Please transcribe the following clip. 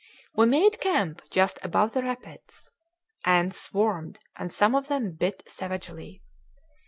We made camp just above the rapids. Ants swarmed, and some of them bit savagely.